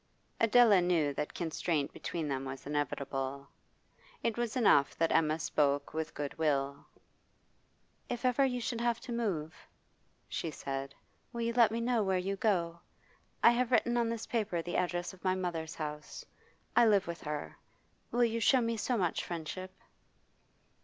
Adela knew that constraint between them was inevitable; it was enough that Emma spoke with good will. 'If ever you should have to move,' she said, 'will you let me know where you go? I have written on this paper the address of my mother's house; I live with her. Will you show me so much friendship?